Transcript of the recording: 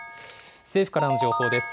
政府からの情報です。